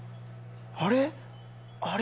あれ？